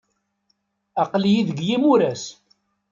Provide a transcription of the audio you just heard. Aql-iyi deg yimuras.